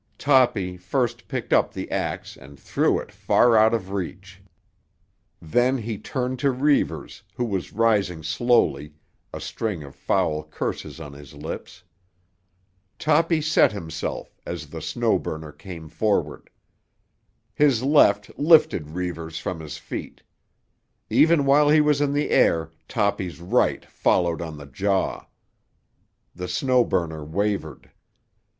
Toppy first picked up the axe and threw it far out of reach. Then he turned to Reivers, who was rising slowly, a string of foul curses on his lips. Toppy set himself as the Snow Burner came forward. His left lifted Reivers from his feet. Even while he was in the air, Toppy's right followed on the jaw. The Snow Burner wavered.